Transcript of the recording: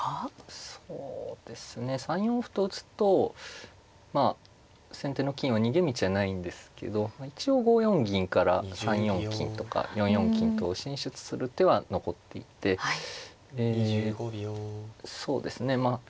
そうですね３四歩と打つとまあ先手の金は逃げ道はないんですけど一応５四銀から３四金とか４四金と進出する手は残っていてえそうですねまあ。